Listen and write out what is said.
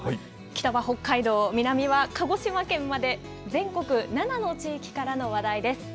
北は北海道、南は鹿児島県まで、全国７の地域からの話題です。